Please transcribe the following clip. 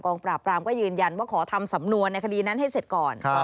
ปราบรามก็ยืนยันว่าขอทำสำนวนในคดีนั้นให้เสร็จก่อน